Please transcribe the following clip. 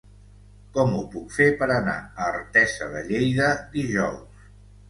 Com ho puc fer per anar a Artesa de Lleida dijous?